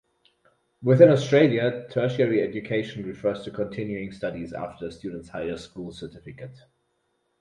Within Australia "Tertiary Education" refers to continuing studies after a students Higher School Certificate.